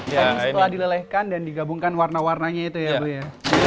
tadi setelah dilelehkan dan digabungkan warna warnanya itu ya bu ya